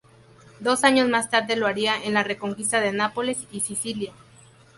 Dos años más tarde lo haría en la reconquista de Nápoles y Sicilia.